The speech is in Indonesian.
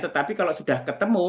tetapi kalau sudah ketemu